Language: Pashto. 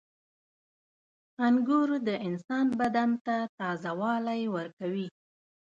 • انګور د انسان بدن ته تازهوالی ورکوي.